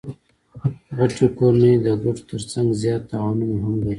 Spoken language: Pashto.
غټي کورنۍ د ګټو ترڅنګ زیات تاوانونه هم لري.